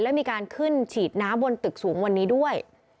และมีการขึ้นฉีดน้ำบนตึกสูงวันนี้ด้วย